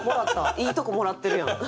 いいとこもらってるやん。